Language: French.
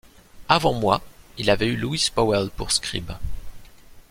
Avant moi, il avait eu Louis Pauwels pour scribe.